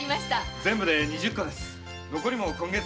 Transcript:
全部で二十個です。